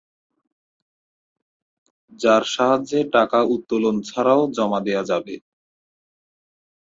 যার সাহায্যে টাকা উত্তোলন ছাড়াও জমা দেয়া যাবে।